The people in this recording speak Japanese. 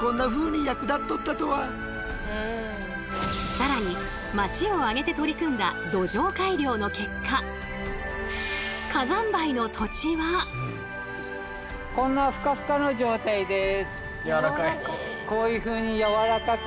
更に町を挙げて取り組んだ土壌改良の結果こんなふかふかの状態です。